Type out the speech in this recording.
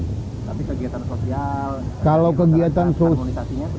tapi kegiatan sosial harmonisasinya tetap